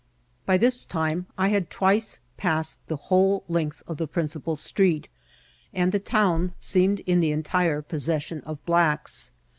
By this time I had twiee passed <he whole length irf Ibe prineipal street, and the town seemed in the entire possession of blacks.